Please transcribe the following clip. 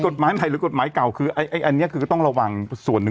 กฎหมายไหนหรือกฎหมายเก่าคืออันนี้คือก็ต้องระวังส่วนหนึ่ง